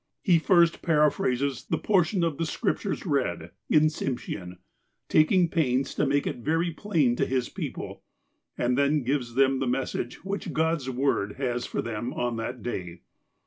He first paraphrases the portion of the Scriptures read, in Tsim shean, taking pains to make it very plain to his people, and then gives them the message which God's "Word has for them on that day.